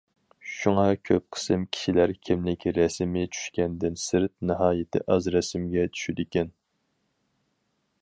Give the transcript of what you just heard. شۇڭا كۆپ قىسىم كىشىلەر كىملىك رەسىمى چۈشكەندىن سىرت ناھايىتى ئاز رەسىمگە چۈشىدىكەن.